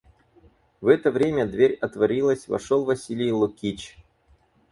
В это время дверь отворилась, вошел Василий Лукич.